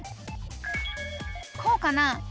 こうかな？